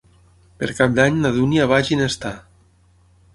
Per Cap d'Any na Dúnia va a Ginestar.